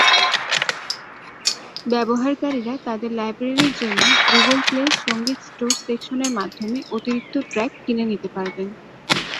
ব্যবহারকারীরা তাদের লাইব্রেরির জন্য 'গুগল প্লে' সংগীত স্টোর সেকশন এর মাধ্যমে অতিরিক্ত ট্র্যাক কিনে নিতে পারবেন।